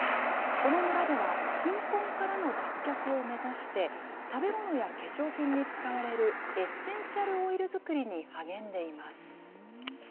この村では、貧困からの脱却を目指して、食べ物や化粧品に使われる、エッセンシャルオイル作りに励んでいます。